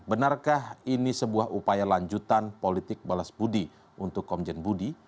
benarkah ini sebuah upaya lanjutan politik balas budi untuk komjen budi